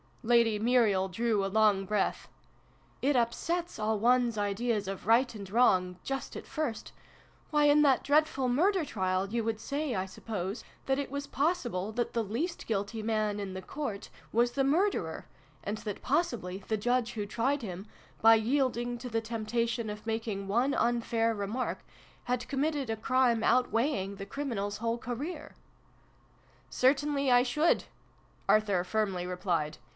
Lady Muriel drew a long breath. "It upsets all one's ideas of Right and Wrong just at first ! Why, in that dreadful murder trial, you would say, I suppose, that it was possible that vin] IN A SHADY PLACE. 125 the least guilty man in the Court was the murderer, and that possibly the judge who tried him, by yielding to the temptation of making one unfair remark, had committed a crime outweighing the criminal's whole career!" '"Certainly I should," Arthur firmly replied.